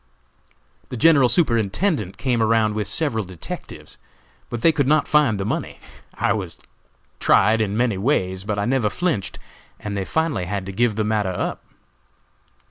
"The General Superintendent came around with several detectives, but they could not find the money. I was tried in many ways, but I never flinched, and they finally had to give the matter up.